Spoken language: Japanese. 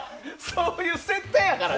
そういう設定やから。